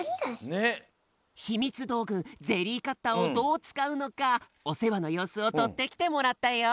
ひみつどうぐゼリーカッターをどうつかうのかおせわのようすをとってきてもらったよ。